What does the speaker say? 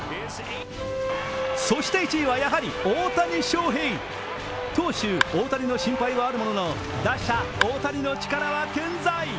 そして１位は、やはり大谷翔平。投手・大谷の心配はあるものの打者・大谷の力は健在。